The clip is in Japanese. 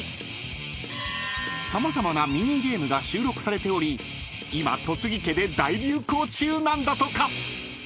［様々なミニゲームが収録されており今戸次家で大流行中なんだとか］